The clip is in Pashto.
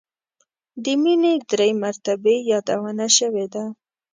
د مینې درې مرتبې یادونه شوې ده.